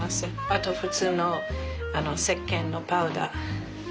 あと普通のせっけんのパウダー。